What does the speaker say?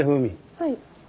はい。